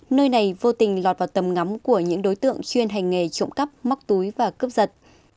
nơi này vô tình lọt vào tầm ngắm của những đối tượng chuyên hành nghề trộm cắp móc túi và cướp giật